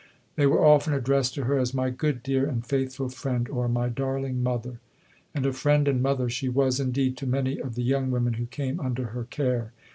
They were often addressed to her as "My good, dear, and faithful Friend," or "My darling Mother." And a friend and mother she was indeed to many of the young women who came under her care.